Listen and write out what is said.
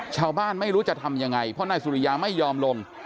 ไม่รู้จะทำยังไงเพราะนายสุริยาไม่ยอมลง